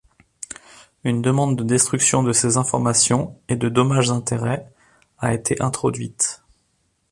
Une demande de destruction de ces informations et de dommages-intérêts a été introduite.